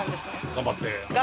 頑張って。